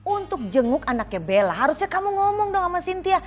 untuk jenguk anaknya bella harusnya kamu ngomong dong sama cynthia